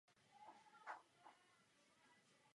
Území obce je tvořeno stejnojmenným katastrálním územím.